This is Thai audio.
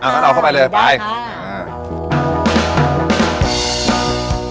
ถ้าอยากรู้เทคนิคการทำปลาหมึกกรอบ